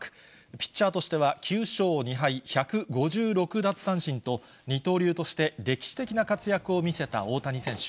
ピッチャーとしては９勝２敗１５６奪三振と、二刀流として、歴史的な活躍を見せた大谷選手。